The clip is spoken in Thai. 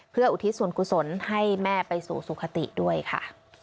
เพื่ออุทิศส่วนกุศลให้แม่ไปสู่สุขติด้วยค่ะ